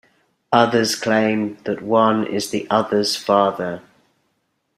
Others claim that one is the other's father.